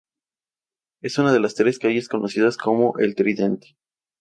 Es una de las tres calles conocidas como el Tridente.